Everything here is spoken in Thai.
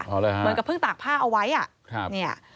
เหมือนกับพึ่งตากผ้าเอาไว้อะ